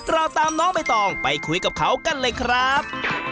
เราตามน้องใบตองไปคุยกับเขากันเลยครับ